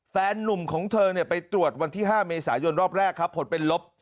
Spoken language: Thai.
นุ่มของเธอไปตรวจวันที่๕เมษายนรอบแรกครับผลเป็นลบ